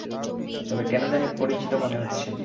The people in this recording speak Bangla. তবে কেন জানি পরিচিত মনে হচ্ছে।